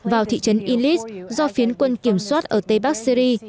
vào thị trấn ilis do phiến quân kiểm soát ở tây bắc syri